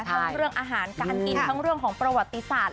ทั้งเรื่องอาหารการกินทั้งเรื่องของประวัติศาสตร์